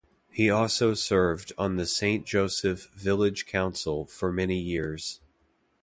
He also served on the St Joseph village council for many years.